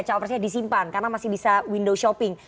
cawapresnya disimpan karena masih bisa window shopping